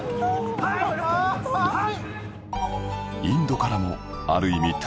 インドからもある意味